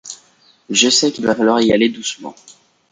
Je sais qu’il va falloir y aller doucement.